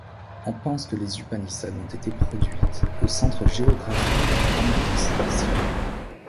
On pense que les Upaniṣad ont été produites au centre géographique du brāhmanisme ancien.